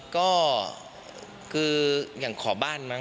ก็คืออย่างขอบ้านมั้